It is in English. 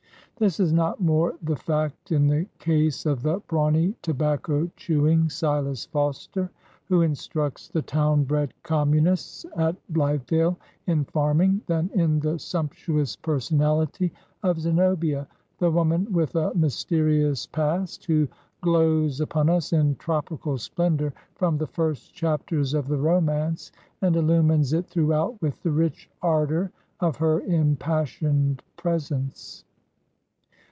This is not more the fact in the case of the brawny, tobacco chewing Silas Foster, who instructs the town bred communists at BUthedale in farming, than in the sumptuous personality of Zenobia, the woman with a mysterious past, who glows upon us in tropical splendor from the first chapters of the romance, and illumines it throughout with the rich ardor of her impassioned presence.